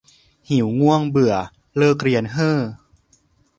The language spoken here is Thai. หิว ง่วง เบื่อ เลิกเรียนเห้อ